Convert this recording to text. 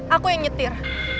aku yang nyetir